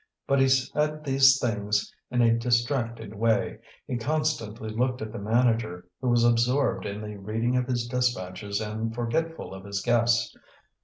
But he said these things in a distracted way; he constantly looked at the manager, who was absorbed in the reading of his dispatches and forgetful of his guests.